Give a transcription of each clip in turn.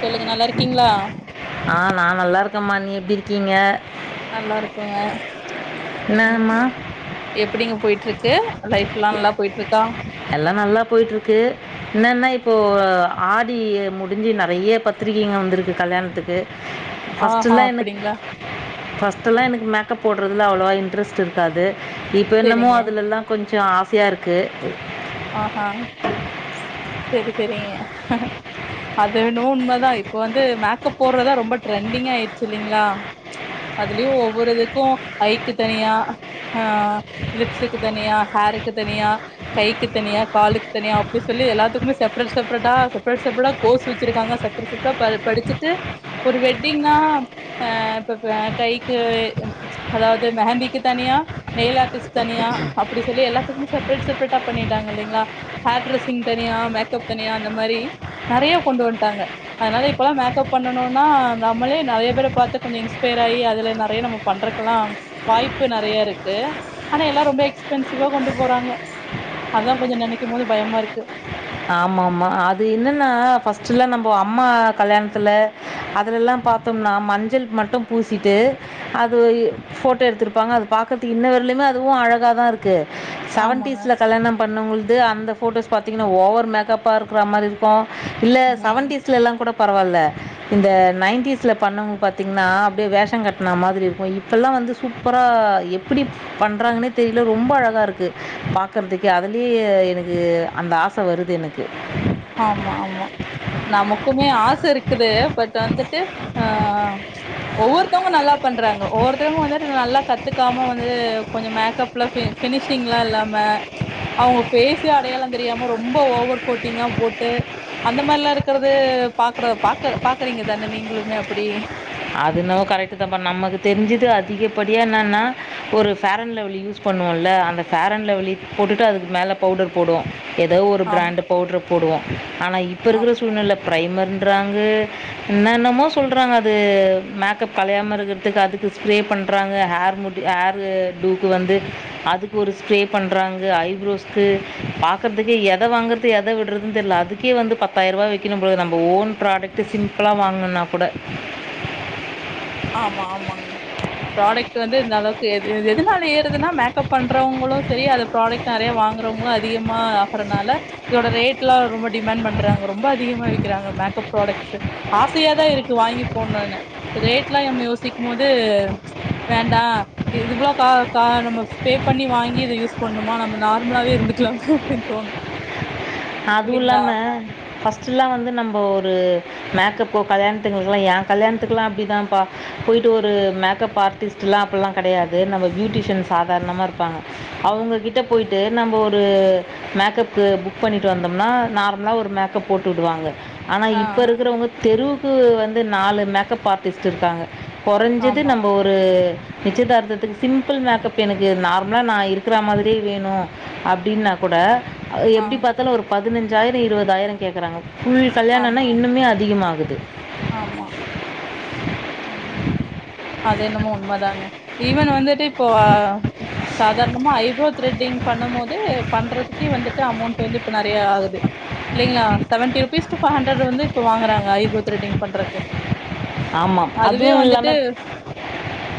சொல்லுங்க நல்லா இருக்கீங்ளா ஆ நா நல்லாருக்கம்மா நீ எப்டி இருக்கீங்க நல்லா இருக்கங்க என்னம்மா ம் எப்டிங்க போயிட்டுருக்கு லைஃப்லா நல்லா போயிட்டுருக்கா எல்லா நல்லா போயிட்ருக்கு என்னன்னா இப்போ ஆடி எ முடிஞ்சி நெறைய பத்திரிகைங்க வந்திருக்கு கல்யாண்த்துக்கு ஆஹா ஃபஸ்ட்டுல்லா எனக் அப்டிங்களா ஃபஸ்ட்டெல்லா எனக்கு மேக்கப் போடுறதுல அவ்ளோவா இன்ட்ரெஸ்ட் இருக்காது இப்போ என்னமோ செரிங்க அதுலெல்லா கொஞ்ச ஆசையா இருக்கு ஆஹா செரி செரிங்க அது என்னவோ உண்மதா இப்ப வந்து மேக்கப் போடுறதா ரொம்ப ட்ரெண்டிங்காயிடுச்சு இல்லைங்ளா அதுலயு ஒவ்வொரு இதுக்கு ஐக்கு தனியா ஹா லிப்ஸ்க்கு தனியா ஹேருக்கு தனியா கை கு தனியா காலுக் தனியா அப்டியே சொல்லி எல்லாத்துக்குமே செப்ரேட் செப்ரேட்டா கோஸ் வச்சிருக்கங்க செப்பர செப் ப்ப ப படிச்சுட்டு ஒரு வெட்டிங்னா ஆ ப்ப பப்ப கைக்கு ம் அதாவ்து மெகந்திக்கு தனியா நெய்ல் ஆர்டிஸ்ட் தனியா அப்டி சொல்லி எல்லாத்துக்குமே செப்ரேட் செப்ரேட்டா பண்ணிட்டாங்க இல்லைங்ளா ஹேர் டிரெஸிங் தனியா மேக்கப் தனியா அந்த மாரி நெறைய கொண்டு வன்ட்டாங்க அதனால இப்பல்லா மேக்கப் பண்ணணுனா நம்மளே நெறைய பேர பாத்து கொஞ்சொ இன்ஸ்பயர் ஆயி அதுல நெறைய நம்ம பண்றக்குலா வாய்ப்பு நெறைய இருக்கு ஆனா எல்லார் ரொம்ப எக்ஸ்பென்சிவா கொண்டு போறாங்க அதா கொஞ்ச நெனைக்கு போது பயமா இருக்கு ஆமாமா அது என்னன்னா ஃபஸ்ட்டுலா நம்போ அம்மா கல்யாணத்துல அதுலல்லா பா தோனா மஞ்சள் மட்டு பூசிட்டு அது ஃபோட்டோ எடுத்துருப்பாங்க அது பாக்கறதுக் இன்ன வர்லயுமே அதுவு அழகாதா இருக் கு ஆமாங்க செவன்டீஸ்ல கல்யண பண்ணவங்கள்து அந்த ஃபோட்டோஸ் பாத்தீங்கனா ஓவர் மேக்கப்பா இருக்குற மாரி இருக்கு இல்ல ம் செவன்டீஸ்லல்லா கூட பரவால்ல இந்த நைன்டிஸ்ல பண்ணவங்க பாத்தீங்கன்னா அப்டியே வேஷங் கட்ன மாதிரி இருக்கு இப் இப்பெல்லா வந்து சூப்பரா எப்டிப் பண்றாங்கன்னே தெரில ரொம்ப அழகா இருக்கு பாக்குறதுக்கே அதுலயே எனக்கு அந்த ஆச வரு து எனக்கு ஆமா ஆமா நமக்குமே ஆச இருக்குது பட் வந்துட்டு அ ஒவ்வொருத்தவங்க நல்லா பண்றாங்க ஒவ்வொருத்தவங்களு வந்து நல்லா கத்துக்காம வந்து கொஞ்ச மேக்கப் ப்பலா பெ ஃபினிஷிங்லா இல்லாம அவங்க ஃபேஸே அடையாளம் தெரியாம ரொம்ப ஓவர் கோட் டிங்ளா போட்டு அந்த மார்லா இருக்கறது பாக்குற பாக்க பாக்குறீங்க தானே நீங்களுமே அப்டி அது என்னவோ கரெக்ட்டுதாப்பா நமக்கு தெரிஞ்சது அதிகப்படியானானா ஒரு ஃபேரன் லவ்லி யூஸ் பண்ணுவோம்ல அந்த ஃபேரன் லவ்லி போட்டுட்டு அதுக்கு மேல பவுடர் போடுவோ எதோ ஒரு ஆம் பிராண்டுப் பவுட்ரப் போடுவோ ஆனா இப்ப ஆம் இருகற சூழ்நெலப் பிரைமர்ன்றாங்கே என்னென்னமோ சொல்றாங்க அ து மேக்கப் கலையாம இருக்றதுக்கு அதுக்கு ஸ்ப்ரே பண்ணுறாங்க ஹேர் முட்டு ஹேரு டூக்கு வந்து அதுக்கு ஒரு ஸ்ப்ரே பண்றாங்க ஐப்ரோஸ்க்கு பாக்கர்துக்கே எத வாங்கர்து எத விட்றதுன் தெர்ல அதுக் கே வந்து பத்தாயிரபா வெக்கிணும் போல நம்ம ஓன்ப்ரோன்டெக்ட்டு சிம்பிளா வாங்னுன்னாக் கூட ஆமா ஆமாங் ப்ராடக்ட்டு வந்து இந்தந்தளவுக்கு எத் எ எதுனால ஏறுதுனா மேக்கப் பண்றவுங்களு செரி அதப் ப்ராடக்ட் நெறைய வாங்றவுங்ளு அதிகமா ஆகறனால இதோட ரேட்லா ரொம்ப டிமண்ட் பண்றாங்க ரொம்ப அதிகமா விக்கறாங்க மேக்கப் ப்ராடக்ட்ஸ்சு ஆசையாதா இருக்கு வாங்கி போண்னுனு ரேட்லா எம் யோசிக்மோது வேண்டா இது போல கா கா நம்ம பெ பண்ணி வாங்கி இத யூஸ் பண்ணுமா நம்ம நார்ம்லாவே இருந்துக்லாம் பி பின் தோணு அதுவு இல்லைங்களா இல்லாம ஃபஸ்ட்டுலா வந்து நம்ப ஒரு மேக்கப்கு கல்யாண்த்துங்கலுக்லா ஏங் கல்யாண்த்துக்லா அப்டிதாப்பா போயிட்டு ஒரு மேக்கப் ஆர்டிஸ்ட் ட்லா அப்புல்லா கெடையாது நம்ம பியூட்டிஷியன் சாதாரணமா இருப்பாங்க அவுங்ககிட்டே போயி்ட்டு நம்ப ஒரு மேக்கப்கு புக் பண்ணிட்டு வந்தம்னா நார்ம்லா ஒரு மேக்கப் போட்டு விடுவாங்க ஆனா ஆ இப்ப இருகறவுங்கத் தெருவுக்கு வந்து நாலு மேக்கப் ஆர்டிஸ்ட் இருக்காங்க கொறஞ்சது ஆமா நம்ம ஒரு ஒரு நிச்சயதார்த்துக்கு சிம்பிள் மேக்கப் எனக்கு நார்மலா நா இருக்கிற மாதிரியே வேணு அப்டின்னாக் கூட ஆ எப்டி பாத்தாலு ஒரு பதினஞ்சாயிரோ இருவதாயிரோ கேக்கறாங்க. ஃபுல் கல்யாணனா ஆமா இன்னுமே அதிகமாகுது ஆமா ம் அது என்னமோ உண்மதாங்க ஈவன் வந்துட்டு இப்போ சாதாரணமா ஐப்ரோ த்ரெட்டிங் பண்ணம்மோது பண்றதுக்கே வந்துட்டு அமௌண்ட் வந்து இப்ப நெறைய ஆகுது இல்லைங்களா seventy rupees to five hundred வந்து இப்ப வாங்கறாங்க ஐப்ரோவ் திரெட்டிங் பண்றக்கு ஆமா அதுவே அதுவு வந்துட்டு இல்லாம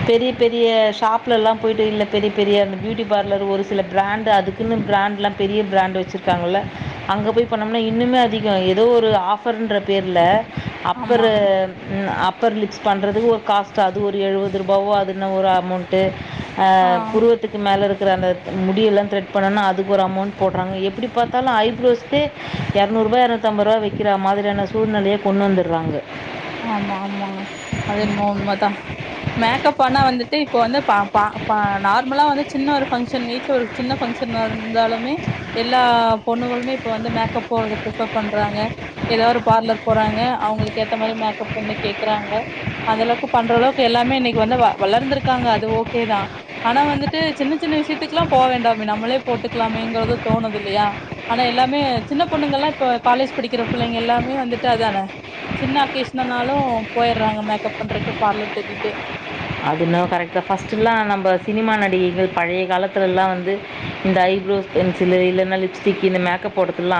பெரிய பெரிய ஷாப்ல எல்லா போயிட்டு இல்ல பெரிய பெரிய அந்த பியூட்டி பார்லர் ஒரு சில பிராண்ட் அதுக் கின்னு பிராண்ட்லா பெரிய பிராண்ட் வெச்சிருக்காங்கல்ல அங்க போய் பண்ணம்னா இன்னுமே அதிகோ எதோ ஒரு ஆஃப் ஃபர்ன்ற பேர்ல அப்பரு ஆமாங்க ன் அப்பர் லிப்ஸ் பண்றதுக்கு ஒரு காஸ்ட்டு அது ஒரு எழுவது ருபாவோ அதுன்ன ஒரு அமௌண்ட் ட்டு அ ஆ புருவுத் துக்கு மேல இருக்கற அந்த முடியெல்லாந் த்ரெட் பண்ணனா அதுக்கு ஒரு அமௌண்ட் போட்றாங்க எப்டி பாத்தாலு ஐப்ரோஸ்க்கே எரநூறுபா எரநூத்தம்பூரா வெக்கிறா மாதிரியான சூழ்நிலைய கொண்டு வந்தர்றாங்க ஆமா ஆமாங்க அது என்மோ உண்மதா மேக்கப் ஆனா வந்துட்டு இப்போ வந்து பா பா பா நார்மலா வந்து சின்ன ஒரு ஃபங்க்ஷன் வீட்ல ஒரு சின்ன ஃபங்க்ஷனா இருந்தாலுமே எல்லா பொண்ணுகளுமே இப்ப வந்து மேக்கப் போறத பிஃபர் பண்றாங்க எதோ ஒரு பார்லர் போறாங்க அவுங்குளுக்கு ஏத்த மாரி மேக்கப் வந்து கேக்கறாங்க அந்தளவுக்கு பண்ற அளவுக்கு எல்லாமே இன்னைக்கு வந்து வ வளர்ந்திருக்காங்க அது ஓகேதா ஆனா வந்துட்டு சின்ன சின்ன விஷ்யத்துக்லாம் போ வேண்டாமே நம்மளே போட்டுக்லாமேங்றது தோணுது இல்லியா ஆனா எல்லாமே சின்னப் பொண்ணுங்கல்லா இப்ப காலேஜ் படிக்கிற புள்ளைங்க எல்லாமே வந்துட்டு அதானே சின்ன அக்கேஷ்னனாலு போயர்றாங்க மேக்கப் பண்றக்கு பார்லர் தேடிட்டு அது என்னவோ கரெக்ட்தா ஃபர்ஸ்ட்டுலா நம்ப சினிமா நடிகைகள் பழைய காலத்லெல்லா வந்து இந்த ஐப்ரோஸ் பென்சிலு இல்லனா லிப்ஸ்டிக்கி இந்த மேக்கப் போடத்துல்லா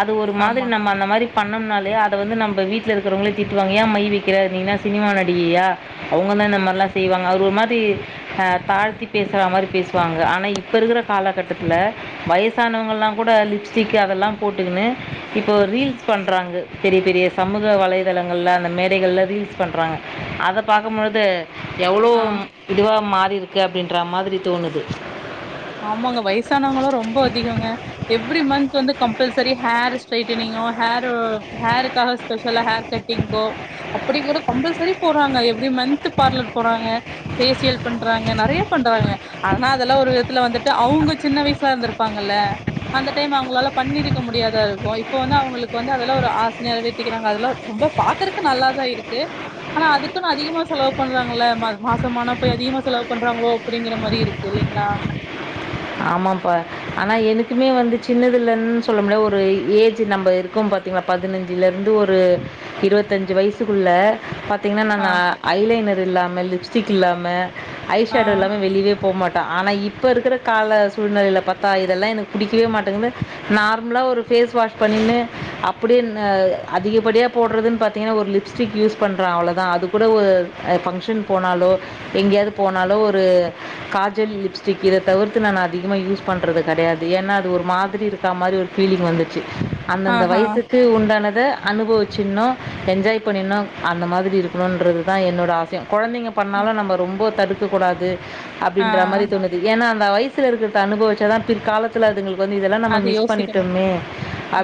அது ஒரு மாதிரி ஆமா நம்ம அந்த மாரிப் பண்ணம்னாலே அத வந்து நம்ப வீட்ல இருக்குறவுங்களே திட்டுவாங்க ஏன் மை வைக்கிற நீ என்ன சினிமா நடிகையா அவுங்கதா இந்த மார்லா செய்வாங்க அது ஒரு மாரி தாழ்த்தி பேசுற மாரி பேசுவாங்க ஆனா இப்ப இருக்கிற காலகட்டத்துல வய வயசானவங்கல்லா கூட லிப்ஸ்டிக் அதெல்லாம் போட்டுக்கணு இப்போ ரீல்ஸ் பண்றாங்க பெரிய பெரிய சமூக வலைதளங்கள்ல அந்த மேடைகள்ல ரீல்ஸ் பண்றாங்க அத பாக்கும்போது எவுளோ ஆ இதுவா மாறிருக்கு அப்டின்ற மாதிரி தோணுது ஆமாங்க வயசானவுங்குளு ரொம்போ அதிகோங்க எவ்ரி மந்த்த் வந்து கம்பல்சரி ஹேர் ஸ்ட்ரைட்டனிங்கோ ஹேர் ஹேருக்காக ஸ்பெஷலா ஹேர் கட்டிங்க்கோ அப்படி கூட கம்பல்சரி போறாங்க எவுரி மன்த்து பார்லர் போறாங்க ஃபேசியல் பண்றாங்க நெறைய பண்றாங்க ஆனா அதெல்லா ஒரு துல வந்துட்டு அவங்க சின்ன வயசுல இருந்துருப்பாங்கல்ல அந்த டைம் அவுங்குளால பண்ணிருக்க முடியாதா இருக்கு இப்ப வந்து அவுங்களுக் வந்து அதெல்லா ஒரு ஆச நெறவே கக்கிறாங்க அதெல்லாம் ரொம்ப பாக்குறதுக்கு நல்லாதான் இருக்கு ஆனா அதுக்குன் அதிகமா செலவு பண்றாங்கள மா மாசமான போய் அதிகமா செலவு பண்றாங்ளோ அப்புடிங்கிற மாரி இரு இல்லைங்ளா ஆமாம்ப்பா ஆனா எனுக்குமே வந்து சின்னதில்லன் சொல்ல முடியாது ஒரு ஏஜு நம்ம இருக்கும் ப பிள்ங்ளா பதினஞ்சுல இருந்து ஒரு இருவத்தஞ்சு வய்சுக்குள்ள பத் ஆ பின்னென்னனா ஐலைனர் இல்லாம லிப்ஸ்டிக் இல்லாம ஐ ஆ ஷேடோ இல்லாம வெளிலே போ மாட்டா ஆனா இப்போ இருக்குற கால சூழ்நெலைல பாத்தா இதெல்லா எனக்கு புடிக்கவே மாட்டேங்குது நார்ம்லா ஒரு ஃபேஸ்வாஷ் பண்ணின்னு அப அப்டினு அதிகப்படியா போடுறதுன் பாத்தீங்கன்னா ஒரு லிப்ஸ்டிக் யூஸ் பண்றன் அவ்ளோதான் அது கூட ஒரு அது ஃபங்க்ஷன் போனாலோ எங்க்யாது போனாலோ ஒரு காஜல் லிப்ஸ்டிக் இத தவிர்த்து நான் அதிக யூஸ் பண்றது கெடையாது ஏனா அது ஒரு மாதிரி இருக்கா மாரி ஒரு ஃபீலிங் வந்துச்சு அந்தந்த ஆஹா வயசுக்கு உண்டானத அனுபவிச்சிட்ணு என்ஜாய் பண்ணிட்ணு அந்த மாதிரி இருக்கணுன்றதுதா என்னோட ஆஸ் கொழந்தைங்க பண்ணாலு நம்ப ரொம்போ தடுக்கக் கூடாது ஆ அப்டின்ற மாரி தோணுது ஏன்னா அந்த வயசுல இருக்கிற அனுபவவிச்ச தான் பிற்கால துல அதுங்களுக்கு வந்து இதெல்லா நம்ம அது மிஸ் யோசிக்க மாட் பண்ணிட்டோமே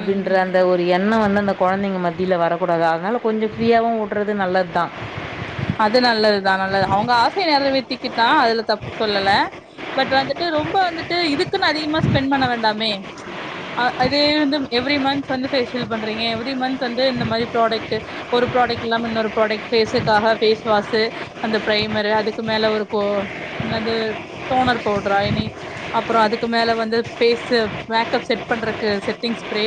ம் அந் அந்த ஒரு எண்ணம் வந்து அந்த கொழந்தைங்க மத்தியில வரக்கூடாது அதனால கொஞ்சம் ஃப்ரீயாவும் உட்றது நல்லது தான் அது நல்லதுதான் நல்லது அவங்க ஆசய நெர வெத்திக்க தான் அதுல தப்பு சொல்லல பட் வந்துட்டு ரொம்ப வந்துட்டு இதுக்குன் அதிகமா ஸ்பெண் பண்ண வேண்டாமே அது வந்து எவுரி மந்த் வந்து ஃபேஷியல் பண்றீங்க எவுரி மந்த் வந்து இந்த மாரி ப்ராடக்ட்டு ஒரு ப்ராடக்ட்ல்மா இன்னொரு ப்ராடக்ட் பேஸீக்காக ஃபேஸ்வாஷு அந்த ப்ரைமரு அதுக்கு மேல ஒரு கோ என்னது தோணர் பவுட்ரா இனி அப்புறோ அதுக்கு மேல வந்து பேஸு மேக்கப் செட் பண்றக்கு செட்டிங் ஸ்ப்ரே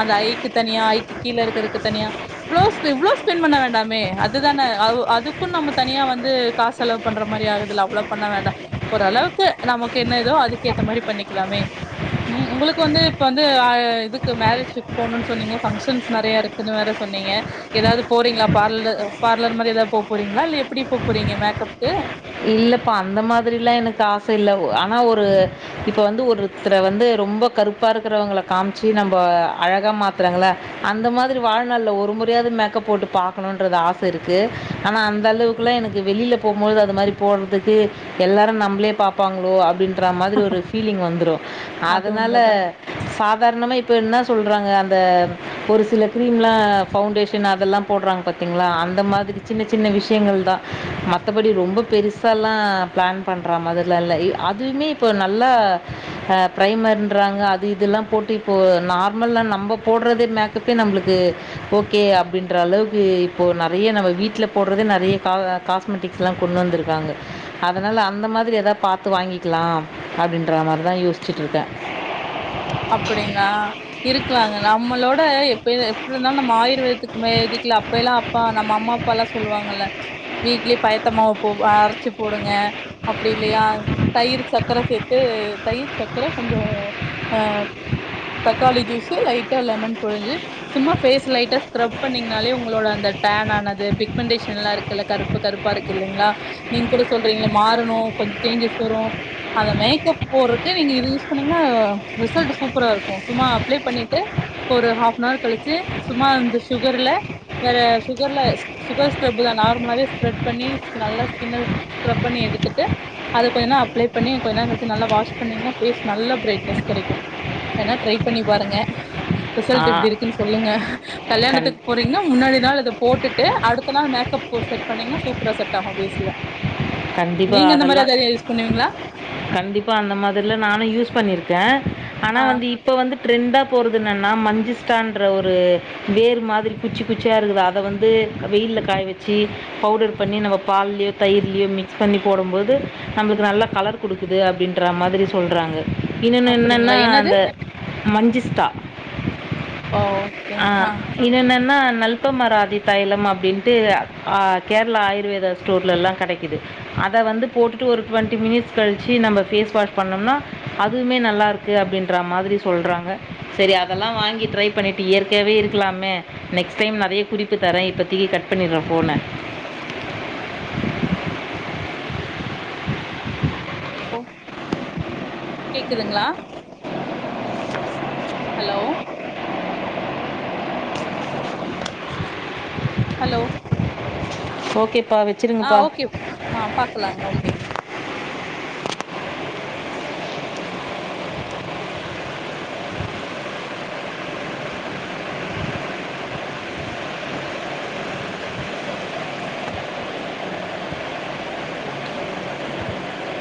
அந்த ஐக்கு தனியா ஐக்கு கீழ இருக்கறக்கு தனியா பிளவுஸ்ல இவ்ளோ ஃபென் பண்ண வேண்டாமே அதுதான அது அதுக்கு நம்ம தனியா வந்து காஸ் செலவு பண்ற மாரி ஆகுதுல அவ்ளோ பண்ண வேண்டா ஓரளவுக்கு நமக்கு என்ன ஏதோ அதுக்கு ஏத்த மாதிரி பண்ணிக்கலாமே ம் உங்ளுக்கு வந்து இப்ப வந்து அ இதுக்கு மேரேஜுக் போணுன் சொன்னீங்க ஃபங்க்ஷன்ஸ் நெறைய இரு க்குனு வேற சொன்னீங்க எதாவது போறீங்ளா பார்ல பார்லர் மாரி எதா போ போறீங்ளா இல்ல எப்டி போ போறீங்க மேக்கப்க்கு இல்லப்பா அந்த மாதிரிலா எனக்கு ஆச இல்ல ஆனா ஒரு இப்ப வந்து ஒருத்ர வந்து ரொம்போ கருப்பா இருக்குறவுங்கள காம்ச்சு நம்ம அழகா மாத்துறாங்கள அந்த மாதிரி வாழ்நாள்ல ஒரு முறையாவது மேக்கப் போட்டு பாக்கணும்ன்றது ஆச இருக்கு ஆனா அந்த அளவுக் அப்புலா எனக்கு வெளில போமோது அது மாரி போறதுக்கு எல்லாரு நம்ளே பாப்பாங்ளோ அப்டின் ட்ற மாதிரி ஒரு ஃபீலிங் வந்துரு அது அதுனால உண்மதா சாதாரணமா இப்ப என்ன சொல்றாங்க அந்த ஒரு சில கிரீம்லா பவுண்டேஷன் அதெல்லாம் போடுறாங்க பாத்தீங்களா அந்த மாதிரி சின்ன சின்ன விஷயங்கள் தான் மத்தபடி ரொம்ப பெருசால்லா பிளான் பண்ற மாரல்லா இல்ல அதுமே இப்போ நல்லா பிரைமர்ன்றாங்க அது இதெல்லா போட்டு இப்போ நார்மல்லா நம்ம போடுறதே மேக் துக்கு நம்பளுக்கு ஓகே அப்படின்ற அளவுக்கு இப்போ நறைய நம்ம வீட்ல போடுறத நறைய காசு மெடிக்ஸ்ல கொண்டு வந்துருக் இருங்க அதனால் அந்த மாதிரி எதாவது பார்த்து வாங்கிக்கலா அப்டின்ற மாரி தா யோசிச்சுட்டு இருக்கே அப்டிங்களா இருக்கலாங்க நம்மளோட எப்ப எப்படிருந்தாலும் நம்ம ஆயுர்வேதத்துக்கு மேதிக்கல அப்ப எல்லாம் நம்ம அப்பா அம்மாவை அப்பா எல்லா சொல்லுவாங்கல்ல வீக்லி பயத்தமாவ போ அரைச்சு போடுங்க அப்படி இல்லையா தயிர் சக்கர சேர்த்து தயிர் சக்கர கொஞ்சோ ஆ தக்காளி ஜூஸு லைட்டா லெமன் புழிஞ்சி சும்மா பேஸ் லைட்டா ஸ்கிரப் பண்ணீங்கனாலே உங்களோட அந்த டான் ஆனது பிக்மெண்டேஷ எல்லாம்க்கு கல கருப்பு கருப்பா இருக்கு இல்லைங்களா நீங்க கூட சொல்றீங்கள மாறணும் கொஞ்சோ சேஞ்சஸ் வரும் அந்த மேக்கப் போறக்கு நீங்க இது யூஸ் பண்ணீங்கன்னா ரிசல்ட் சூப்பராக இருக்கும் சும்மா அப்ளை பண்ணிட்டு ஒரு ஹாஃப்னவர் கழிச்சு சும்மா அந்த சுகர்ல வேற சுகர்ல சுகர் ஸ்கரப் தா நார்மலாவே ஸ்ப்ரெட் பண்ணி நல்லா ஸ்கின் ஸ்கரப் பண்ணி எடுத்துட்டு அத கொஞ்ச நேரம் அப்ளை பண்ண கொஞ்ச நேரம் கழிச்சி நல்ல வாஷ் பண்ணீங்கன்னா பேஸ் நல்ல பிரைட்னஸ் கடைக்கும் வேனா ட்ரை பண்ணி பாருங்க ரிசல்ட் எப்டிருக்குன்னு சொல்லுங்க கண் கல்யாணத்துக்கு போறீங்கனா முன்னாடி நாள் இதை போட்டுட்டு அடுத்த நாள் மேக்கப் செட் பண்ணீங்கன்னா சூப்பரா செட் ஆகுஃபேஸ்லன்றட்ட நீங்க அந்த மாதிரி எதாவது யூஸ் பண்ணீங்களா கண்டிப்பா அந்த மாதிரிலாம் நானும் யூஸ் பண்ணிருக்கேன் ஆனா ஆ வந்து இப் இப்போ வந்து ட்ரெண்டண்டா போறது என்னென்னா மஞ்சிஸ்டான்ற ஒரு வேர் மாதிரி குச்சி குச்சியா இருக்குது அத வந்து வெயில்ல காய வச்சு பவுடர் பண்ணி நம்ம பால்லயோ தயிர்லயும் மிக்ஸ் பண்ணி போடும்போது நம்மளுக்கு நல்லா கலர் கொடுக்குது அப்படின்ற மாதிரி சொல்கிறாங்க இன்னொன்னு அப்டிங்களா என்னன்னா என்னது அந்த மஞ்சிஸ்டா ஓகே ஆஹ இன்னு என்னென்னா நல்பமராதி தைலம் அப்படின்ட்டு கேரளா ஆயுர்வேதா ஸ்டோர்லலாம் கடக்கிது அத வந்து போட்டுட்டு ஒரு டுவெண்ட்டி மினிட்ஸ் கழிச்சு நம்ம ஃபேஸ் வாஷ் பண்ணோம்னா அதுவுமே நல்லாயிருக் கு அப்படின்ற மாதிரி சொல்கிறாங்க செரி அதெல்லாம் வாங்கி ட்ரை பண்ணிவிட்டு இயற்காவே இருக்கலாமே நெக்ஸ்ட் டைம் நறைய குறிப்பு தரேன் இப்பத்திக்கு கட் பண்னிடுறேன் போன ஒ கேக்குதுங்களா ஹலோ ஹலோ ஓகே பவி ஆ ஓகே ஆ பாக்கலாங்க ஓகேங்